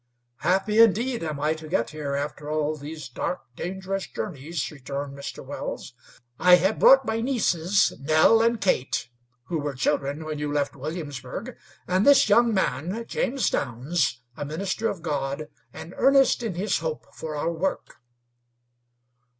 "Happy, indeed, am I to get here, after all these dark, dangerous journeys," returned Mr. Wells. "I have brought my nieces, Nell and Kate, who were children when you left Williamsburg, and this young man, James Downs, a minister of God, and earnest in his hope for our work."